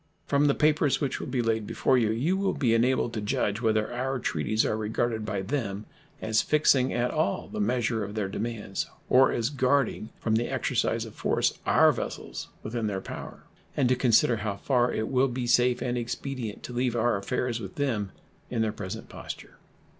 From the papers which will be laid before you you will be enabled to judge whether our treaties are regarded by them as fixing at all the measure of their demands or as guarding from the exercise of force our vessels within their power, and to consider how far it will be safe and expedient to leave our affairs with them in their present posture.